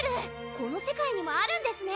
この世界にもあるんですね